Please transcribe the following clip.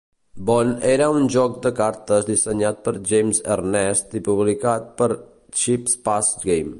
Bond era un joc de cartes dissenyat per James Ernest i publicat per Cheapass Games.